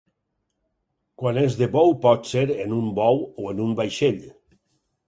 Quan és de bou pot ser en un bou o en un vaixell.